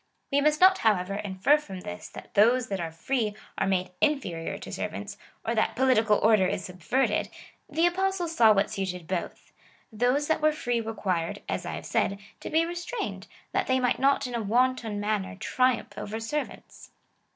We must not, however, infer from this, that those that are free are made inferior to servants, or that political order is subverted. The Apostle saw what suited both. Those that were free required (as I have said) to be restrained, that they might not in a wanton manner triumph over servants.